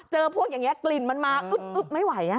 พวกอย่างนี้กลิ่นมันมาอึ๊กไม่ไหว